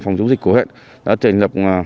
phòng chống dịch của huyện đã thành lập